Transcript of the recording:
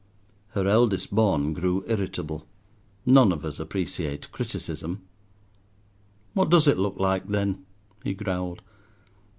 Her eldest born grew irritable: none of us appreciate criticism! "What does it look like, then?" he growled.